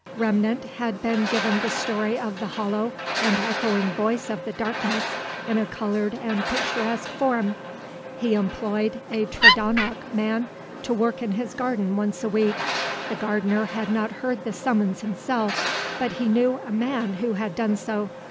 Remnant had been given the story of the hollow and echoing voice of the darkness in a colored and picturesque form; he employed a Tredonoc man to work in his garden once a week. The gardener had not heard the summons himself, but he knew a man who had done so.